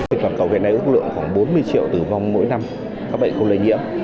vịnh văn cầu việt nam ước lượng khoảng bốn mươi triệu tử vong mỗi năm các bệnh không lây nhiễm